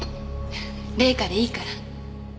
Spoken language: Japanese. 麗香でいいから。